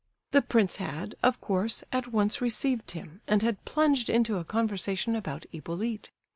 The prince had, of course, at once received him, and had plunged into a conversation about Hippolyte.